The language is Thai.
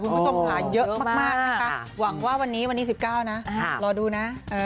คุณผู้ชมขายเยอะมากหวังว่าวันนี้๑๙นะรอดูนะ